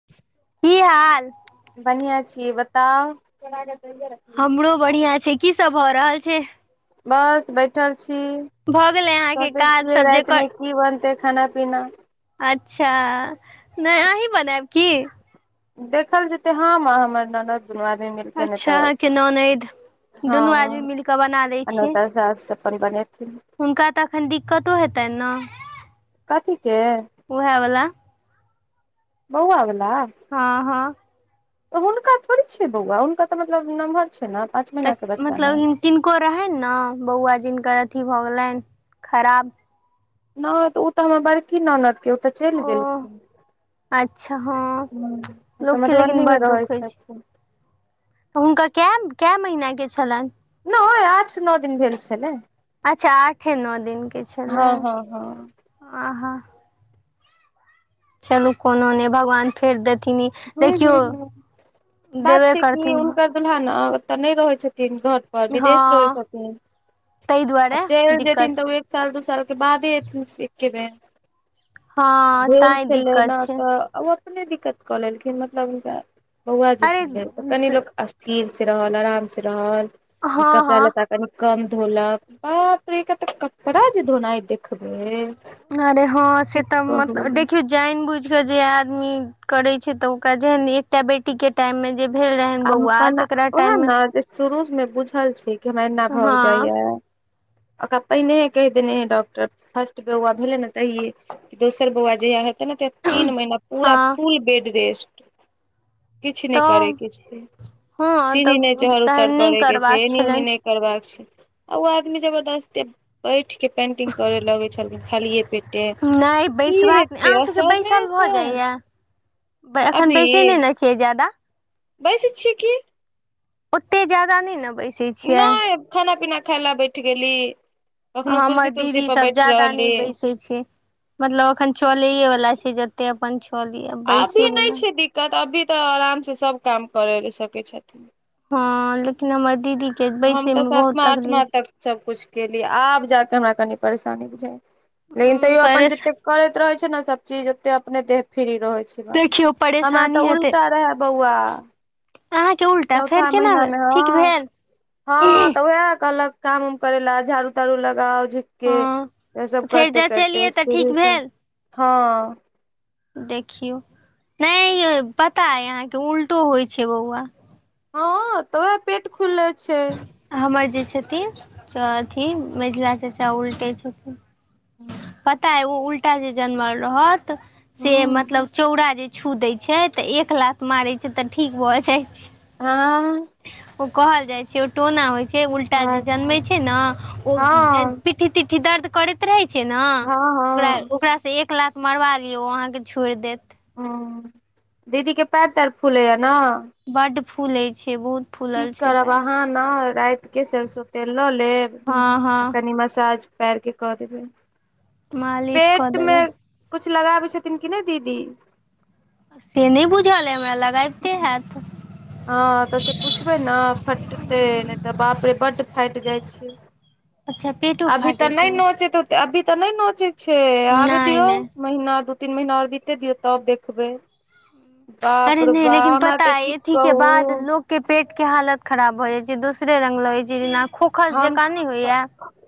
[inaudible] की हाल। बढ़िआं छी बताउ। हमरो बढ़िया छै की सब भऽ रहल छै। बस बैठल छी। भऽ गेलै अहाँके सोचै काज छियै सब रातिमे जेकर की बनतै खाना पीना अच्छा, नहि अहीं बनायब की? देखल जेतै हं हमर ननद दुनू आदमी। मिलके नहि अच्छा तऽ अहाँके ननैद। हँ दुनू आदमी मिल कऽ बना लो आ नहि छियै। तऽ सास अपन बनेथिन हुनका तऽ एखन दिक्कतो हेतनि ने। कथिके। ओहे बला बौआ वला? हँ हँ। हुनका थोड़ी छै बौआ हुनका तऽ मतलब नमहर छै ने पांच तऽ मतलब किनको रहनि ने बौआ जिनकर अथि भऽ गेलनि खराब। नहि तऽ ओ तऽ हमर बड़की ननदके ओ तऽ चलि ओ गेलखिन। अच्छा हँ, ह तऽ लोकके लेकिन मधुबनी मे बड़ रहै दुःख होइ छै। छथिन हुनका के महीना के छलनि? नै आठ नओ दिन भेल छलै। अच्छा आठे, नओ दिन के हँ छलैह, हँ हँ आहा। चलू कोनो नहि भगवान फेर देथिन। हूँ देखियौ हूँ हूँ देबे करथिन ह सवैह ना ओतऽ नहि रहै छथिन घर पर विदेश रहै हँ छथिन, ताहि आ दुआरे चलि जेथिन दिक्कत छै तऽ उ साल दू, साल के बादे एथिन एके बेर। हँ भेल तैं छलै ने दिक्कत छै तऽ ओ अपने दिक्कत कऽ लेलखिन, मतलब हुनका बौआ जेी अरे भेले कनी लोक स्थिर से रहल, आराम से रहल, हँ कपड़ा हँ लत्ता कनि कम धोलक, बाप रे एकर कपड़ा जे धोना देख अरे हँ से तऽ मत कहू देखियो जानि बुझ के जे आदमी करे छै, तऽ ओकरा जेहन एकटा बेटी के टाइम में जे भेल रहै आ मने उएह ने, जे शुरू में बुझल छै कि हमरा एना भाग हँ जाइया ओकरा पहिनेहे कहि देने रहै डॉक्टर। फर्स्ट बौआ भेले ने तहिये, दोसर बौआ जहिया हेते ने तीन महिना हँ पूरा-पूरी बेड रेस्ट। किछु नहि करे तऽ के छै, हँ तऽ सीढ़ी नहि चढ़ि तहन उतर नहि करे के छै, करबाक एनी ओनी छलनि नहि करबाक छै, आ ओ आदमी जबरदस्ती बैठ के पेंटिंग करे लगे छलखिन खालिए पेटे। नहि की बैसबाक नहि हेतै, अहाँ ओ सभके सब नै बैसल भऽ हेतै। जाइए एखन अभी बैसै नै ने छियै ज्यादा। बैसै छियै की। ओतै ज्यादा नै ने बैसै छियै। नहि खाना- पीना खाय लऽ बैठ गेली। कखनो हमर कुर्सी दीदी तुर्सी पर सब बैठ ज्यादा नै रहली बैसै छै। मतलब अखन चलैेये वला छै, जते अपन चलैयऽ बैसे वला किया तऽ अभी तऽ आराम से सब काम करै सकै छथिन। हँ लेकिन हमर दीदी के हम बैसे तऽ में बहुत सातमा आठमा तकलीफ तक सब कुछ केलियै, आब जाके हमरा कनि परेशानी बुझाइ याऽ, लेकिन उम्म तैयो अपन परेश जतेक करैत रहे छै ने सब चीज, ओते अपने देह फ्री रहै छै, बाद में देखियौ हमरा तऽ परेशानी हेतै उलटा रहै बौआ, अहाँके उल्टा फेर चौथा केना महिना भेल में ठीक हँ। भेल हँ तऽ उएह कहलक काम उम करे ला, झाड़ू -ताड़ू लगाउ झुक हँ के, इ सब फेर करिते- करिते जँचेलियै तऽ ठीक शुरु से भेल हं। देखियौ नै यै पता एऽ अहाँके उलटो होइ छै बौआ। हँ तऽ उहै पेट खुलै छै। हमर जे छथिन, अथी मैझला चाचा उलटै छथिन। पता ऐ ओ उल्टा जे जनमल रहत से, हूँ मतलब चौड़ा जे छू दै छै, तऽ एक लाथ मारै छै तऽ ठीक भऽ जाइ छै। हँ। ओ कहल जाइ छै, ओ टोना होइ छै, उल्टा जे जन्मै अच्छा छै ने ओ हँ पिठ्ठी- तिट्ठी दर्द करैत रहै छै हँ ने। हँ ओकरासँ एक लात मरबा लियौ, ओ अहाँके छोड़ि देत। हं दीदी के पैर-तैर फूलैया ने। बड्ड फूलै छै, बहुत की फूलल छै करब पैर अहाँ ने राति के सरिसों तेल लऽ लेब, हँ हँ कनि मसाज पैर के कऽ देबै। मालिश कऽ पेट देबै में किछु लगाबै छथिन कि, नै दीदी से नहि बुझल ऐ हमरा, लगबिते हैत। हँ तऽ से पूछबै ने, फटतै नहि तऽ बाप रे बड्ड फाटि जाइ छै। अच्छा पेटो अभी तऽ फाटै नहि छै नोचैत अभी तऽ नहि नोचै छै, आबे नहि दियौ। नहि महीना दू, तीन महीना आर बीतै दियौ तब देखबै। बाप अरे रो नहि बा लेकिन हमरा पता तऽ अइ कि अथी के बाद लोकके पेट के हालत खराब भऽ जाइत छै, दोसरे रंग लगैत छै जेना। खोखस हम जकाँ नहि तऽ होइया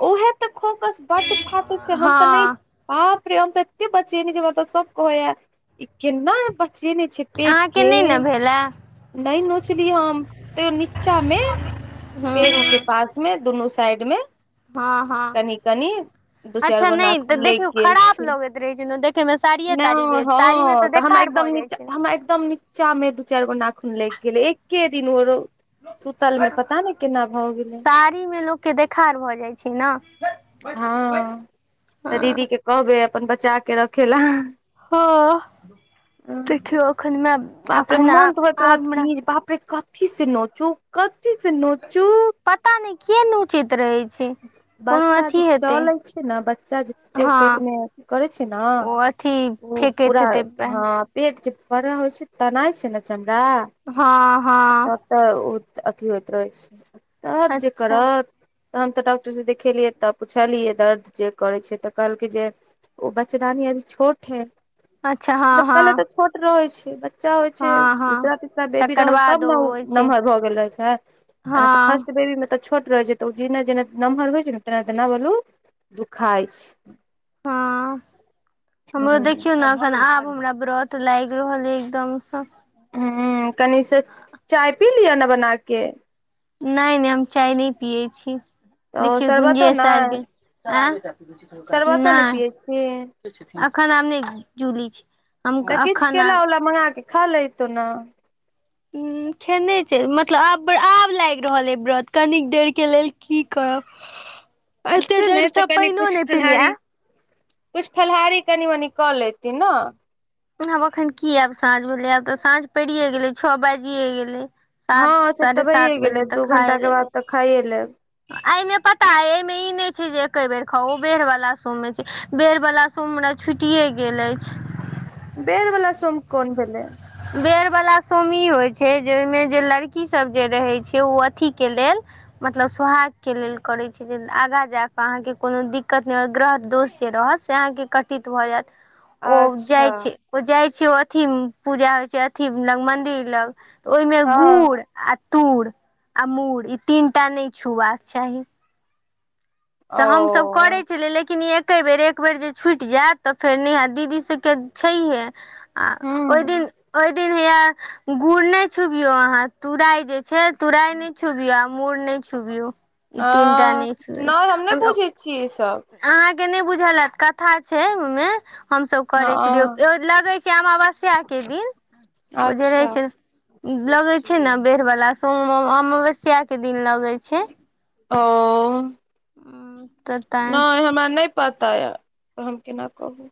उएह तऽ खोकस बड्ड फाटै छै, हम तऽ नै हँ बाप रे हम त एते बचेने छियै, हमरा त सब कहैये केना बचेने छै पेट के। खेलां। नै नोचली हम तैयो नीचा में हूँ पेरू के पास में दुनू साइड में हँ हँ कनि- कनि दू, चारि अच्छा गो नहि तऽ नाखुन लाइग देखियौ गेल खराब छै। लगैत रहै छै ने देखैमे साड़िये ताड़ी नहि भेल साड़ीमे हँ तऽ हमरा देखार एकदम भऽ जाइ नीचा छै हमरा, एकदम निचा चा मे दू चारि, गो नाखून लागि गेलै, एके दिन ओ सुतल में पता नै केना भ गेलै। फ्री मे लोक के देखार भऽ जाइ छै ना। हँ तऽ दीदी हँ के कहबे अपन बचा के रखै लै। हँ देखियौ एखन म बाप रे मन तऽ होइत रहत की, बाप रे कथी से नोचू कथी से नोचू। पता नहि किया नोच बच्चा जे हेतै चलै छै ने, बच्चा जते हँ पेट में करै छै ना ओ अथी ओ फेकैत पूरा हेतै हँ पेट जे बड़ा होइ छै, तनाइ छै ने चमड़ा हँ- हँ। तब तऽ ओ अथी होइत रहै छै, तब जे अच्छा करत तऽ हम तऽ डॉक्टरसँ देखेलियै तऽ पुछलियै दर्द जे करै छै, तऽ कहलकै जे ओ बचदानी अभी छोट है, अच्छा हँ म हँ पहिले तऽ छोट रहै छै बच्चा होइ छै, हँ हँ दूसरा तीसरा बेबी तकर रहल तहन बाद ने ओ होइ छै नमहर भऽ गेल रहै छै, आ हँ नहि तऽ फर्स्ट बेबी मे तऽ छोट रहै छै, तऽ ओ जेना- जेना नमहर होइ छै ने, तेना-तेना बलू दुखाई छै। हँ हमरो देखियो ने अखन आब हमरा व्रत तऽ लागि रहलै एकदमसँ। ह कनि से चाय पी लिअ ने बना के। नहि- नहि हम चाय नहि पियै छी, तऽ देखियौ शरबतो गुंजेश ने आबि गेल। आ शरबतो नै ने पियै छी अखन आब नै, जूली छै हम तऽ किछ अखन केला आब -उला मंगा कऽ खा लेतौ ने। ह खेने छै, मतलब आब- आब लागि रहल अ व्रत। कनिक देर के लेल की करब अते ने देर तऽ से कनि पाइनो कुछ ने फलाहारी पलिये। कुछ फलहारी कनि, मनि कऽ लेति ने। आब अखन की आब, साँझ भेलै आब तऽ साँझ पड़िे गेलै छओ बाजिे गेलै। सात हँ से तऽ साढ़े भैए सात गेले, बजे तक दू, खाय घंटा के बाद लेबै तऽ खाइए लेब। एहिमे पता हइ एहिमे ई नहि छै जे, एके बेर खाऊ, उ बेर वाला सोबमे छै। बेर बला सोम हमरा छुटिये गेल एछ। बेर बला सोम कोन भेलै। बेर बला सोम ई होय छै जे ओय मे जे लड़की सब जे रहै छै उ अथी के लेल मतलब सोहाग के लेल करे छै जे अगा जाके अहाँ के कोनो दिक्कत नै होय ग्रह दोष जे रहत से अहाँ के कटित भऽ जाएत। ओ जाय अच्छा छै, ओ जाय छै ओ अथी उम्म पूजा होय छै अथी लग मंदिर लग तऽ ओय मे हँ गुड़ आ तुड़ आ मूड़ ई तीनटा नै छुबाक चाही। तऽ हम सब ओ करै छलियै लेकिन ए के बेर एक बेेर जे छुट जाएत तऽ फेर नै हाएत दीदी सबके छैहये। आ ओय हूँ दिन, ओय दिन हैया गुड़ नै छुबयो अहाँ तूराय जे छै, तुराय नै छुबयौ आ मुड़ नै छुबयौ, ई तीनटा नै छुए छै। छी सब। अहाँ के नै बुझल हाएत कथा छै ओय मे हम सब करै छलिये, हँ एगो लगै छै अमावस्या के दिन ओ जे अच्छा रहै छै ई लगे छै ने बेड़ बला सोम अमावस्या के दिन लगे छै। औ। उम्म त तऽ नै तैं हमरा नै पता यऽ तऽ हम केना कहु।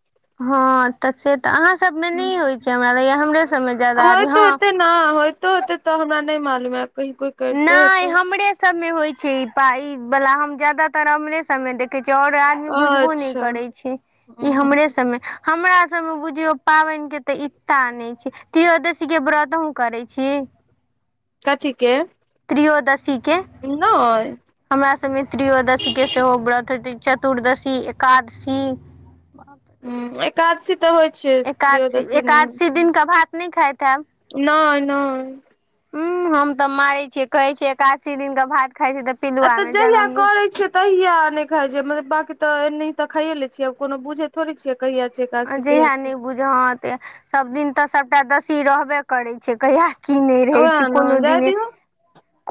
हां तऽ से तऽ अहाँ सब मे नै होय छै, हमरा लगेया हमरे सब मे जादा आदमी हां। ना होयतो होते तऽ हमरा नै मालूम अय, हमरा कहीं कोय नै हमरे सबमे होय छै ई ता ई बला हम जादातर हमरे सब मे देखे छीये और आ दमी बुझबो नै अच्छा करै छै, ह ई हमरे सब मे हमरा सब मे बुझयौ पाबैन के ते इतऽ नै छै, त्रियोदशी के व्रत अहुं करै छी। कथी के। त्रियोदशी के। नहि हमरा सब मे त्रियोदशी के सेहो व्रत हेतै, चतुर्दशी, एकादशी। हुं एकादशी ते होय छै। एकादशी, त्रयोदशी एकादशी दिन के भात नै खाएत हैब। नै-नै। हुं हम तऽ मारे छियै, कहै छै एकादशी दिन के भात खाय छै तऽ ए पिलुआ तऽ मे जहिया जनम करै छिये तहिया नै खाय छै मतलब बाकी तऽ एनहि तऽ खाये लै छिये कोनो बुझे थोड़े छिये कहिया छै आ एकादशी कहिया जहिया छै नै बुझा हां तहिया सब दिन तऽ सबटा दसी रहबे करै छै कहिया की नै रहै छै, ओएह ने कोनो जाय दिने दियौ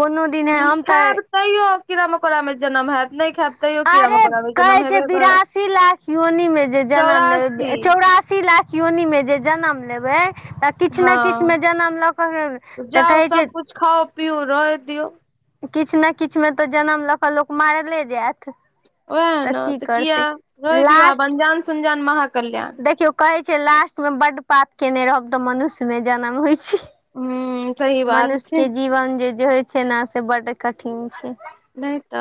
कोनो दिने हम तऽ खायब तैयो कीड़ा-मकोड़ा मे जन्म हैत नै खाएब अरे कहै छै बिरासी लाख योनी मे जे जन्म लेब चौरासी ए चौरा सी लाख योनि मे जे जन्म लेबै त किछ ने किछ हँ मे जनम लऽ कऽ ह तऽ जाउ कहै छै सबकुछ खाउ, पीऊ रहैत दियौ। किछ ने किछ मे तऽ जन्म लऽ कऽ लोक मारले जैत। उहाए ना तऽ किया रैह दियौ आब लास्ट अनजान सुनजान महा कल्याण। देखियौ कहे छै लास्ट मे बड पाप केने रहब तऽ मनुष्य मे जन्म होय छै। हूं सही बात मनुष्य छै के जीवन जे-जे होय छै न से बड कठिन छै। नै त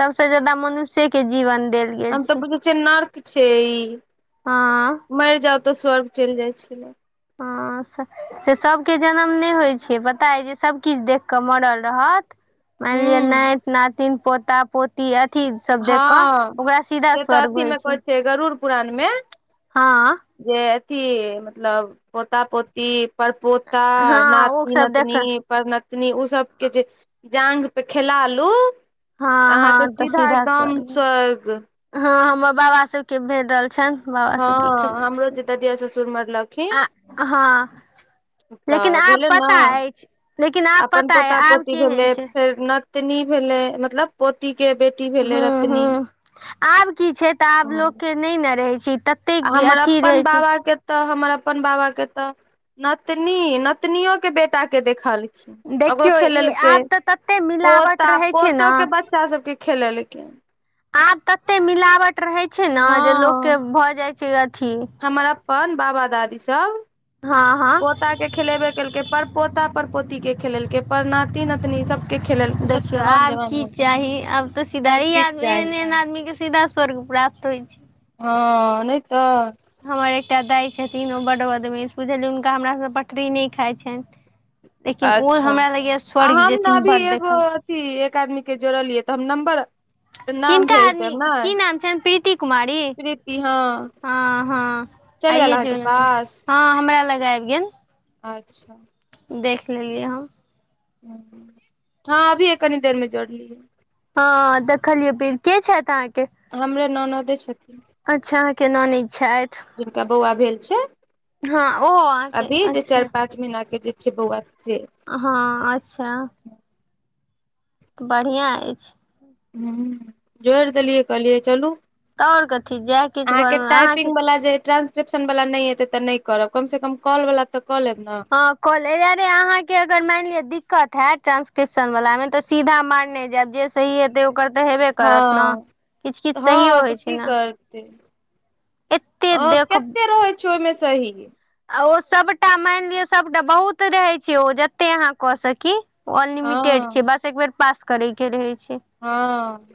सबसे ज्यादा मनुष्य के जीवन देल गेल हम तऽ छै बुझय छीयै नर्क छै ई हँ मैर जाउ तऽ स्वर्ग चैल जाय छै। हां स से सबके जन्म नै होय छै पता ऐ जे सब किछ देख कऽ मरल रहत मैन लिअ हूं नैत-नातिन पोता पोती अथी सब देख कऽ हँ ओकरा सीधा से तऽ स्वर्ग अथी होय मे कहै छै। गरुड़ पुराण मे हां। जे अथी मतलब पोता-पोती परपोता हँ ओ सब देख नाति-नतनी परनतनी उ सबके जे जांघ पे जे खेला लु हां-हां त सीधा हम स्वर्ग हां हमरा बाबा सबके भेटल छैन। बाबा सबके हँ हमरो खैलयथिन जे ददिया ससुर मरलखिन आ हां लेकिन तऽ आब भेलै ने पता ऐछ लेकिन आब अपन पता यै पोता आब पोती भेलै केहेन छै? फेर नतनी भेलय मतलब पोती के बेट हां-हां आब की छै तऽ आब आ लोक के नै न रहय छै त हमर अप्पन बाबा के तऽ हमर अपन बाबा के तऽ नतनी नतनीयो के बेटा के देखल ओकरो देखियौ ई खेलैल के आब तऽ तते मिलावट पोता रहै छै पोतो ने के बच् चा सबके खेलैल कै आब तत्ते मिलावट रहय छै नै जे लोकके हँ भऽ जाए छै अथी हमर अप्पन बाबा दादी सब हँ हँ पोता के खेलेबे केलकै पर पोता पर पोती के खेलैल कै पर नाति, नातनी सबके खेलेलकै सब देखियौ जवान आब जवान की हो चाही आब तऽ सीधा आर ई किछु आदमी चाही एहेन-एहेन आदमी के सीधा स्वर्ग प्राप्त होय छै। हां नै तऽ हमर एकटा दाय छथिन ओ बड बदमैश बुझलियै हुनका हमरा से पटरी नै खाए छैन। लेकिन ओ अच्छा हमरा लगय यै आ स्वर्ग हम ने जेथिन अभी बड एगो देखल अथी एक आदमी के जोड़लियै तऽ हम नम्बर नाम किनका भेज आदमी, देब ने की नाम छैन प्रीति कुमारी? प्रीति हँ हां-हां चलि गेल आइयै अहाँके जोड़लिए पास हां हमरा लग आएब गेल। अच्छा। देख लेलियै हम। हां अभीये कनी देर में जोड़लियै। हां देखलियै पीर, के छैथ अहाँके? हमरे ननदे छथिन। अच्छा अहाँके ननैद छैथ। जिनका बौआ भे हां ओ अहांके अच्छा [unintelligible] अहां के जे छै बौआ से हां अच्छा बढ़िआँ अछि। ह जोड़ि देलियै कहलियै चलू। तऽ आओर कथी जाय किछु अहाँके घरमे टाइपिंग वला जे ट्रांस क्रिप्शन वाला नहि एतै त नै करब कम से कम कॉल वाला त कऽ लेब न। ह कऽ ले अरे अहाँके अगर माइन लिअ दिक्कत हैत ट्रांसक्रिप्शन वलामे त सीधा मारने जैब जे सही हेतय ओकर त हेबे करत ने हँ किछ- किछ सहियो हँ तऽ होइ की छैय ने। करतै एते ओ देख केते रहै छैय ओयमे सही। आ ओ सभटा माइन लिअ सभटा बहुत रहै छैय ओ जतेक अहाँ कऽ सकी। ओ हँ अनलिमिटेड छैय बस एक बेर पास करै के रहे छैय। हँ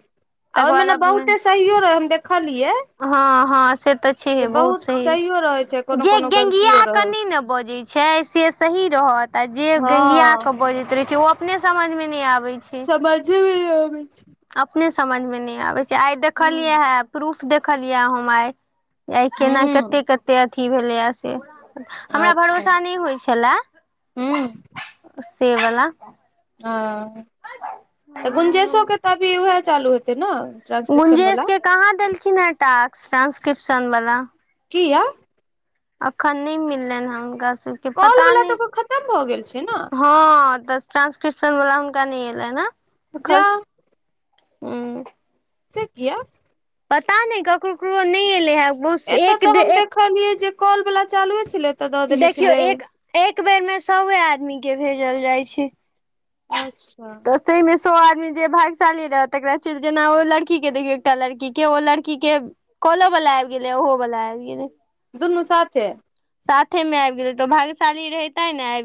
आ ओयमे ने बहुते सहियो रहै हम देखलियै। हँ -हँ से त जे छैहे बहुत सही सहियो रहै छै कोनो जे कोनो गलतियो गेङ्गियाके रहै नै छै ने बजै छैय से सही रहत आ जे गेङ्गिया हँ के बजैत रहै छैय ओ अपने समझमे नै आबै छैय। समझेमे नै आबय छैय। अपने समझमे नै आबै छैय, आइ छै देखलियै हूँ हे प्रूफ देखलियै हम आइ। आइ केना हूँ कते - कते अथी भेलैये से। हमरा अच्छा भरोसा नै होइ छलए हूँ से वला। ह त गुंजेशो के त अभी उहे चालू हेतै न। गुंजेशके कहाँ देलखिन हेँ टास्क ट्रान्सक्रिप्शन वला। किया। अखन नै मिललैन ह हुनका सबके कॉल पता वाला नै। तऽ ओकर खतम भऽ गेल छै ने हँ त ट्रान्सक्रिप्शन वला हुनका नै एलैन हैं जा अखन। उं। से किया। पता नै ककरो- ककरो नै एलै हे। बहुत एतऽ एक त हम एक देखलियै जे कॉल वला चालुए छलै। तऽ दऽ देने देखियौ छलै एक-एक बेरमे सौए आदमीके भेजल जाइ छैय। अच्छा। त तयमे सौ आदमीजे भाग्यशाली रहय तकरा च जेना ओ लड़की के देखियौ एकटा लड़कीके ओ लड़की के काॅलो बला आइब गेलै ओहो बला आइब गेलै। दुनू साथे। साथेमे आइब गेलै त ओ भागशाली रहै तैने आइब